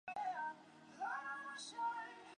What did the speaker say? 滨海埃尔芒维尔。